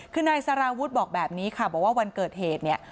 คือนายสารวุฒิบอกแบบนี้ค่ะบอกว่าวันเกิดเหตุเนี่ย